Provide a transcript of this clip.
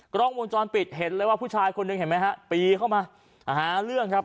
กล้องวงจรปิดเห็นเลยว่าผู้ชายคนหนึ่งเห็นไหมฮะปีเข้ามาหาเรื่องครับ